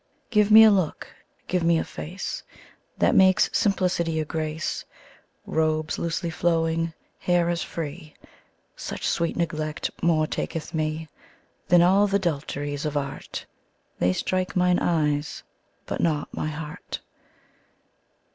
Give me a look, give me a face That makes simplicity a grace; Robes loosely flowing, hair as free: Such sweet neglect more taketh me 10 Than all th' adulteries of art; They strike mine eyes, but not my heart.